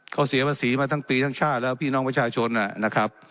เขาเสียภาษีมาทั้งปีทั้งชาติแล้วพี่น้องประชาชนนะครับ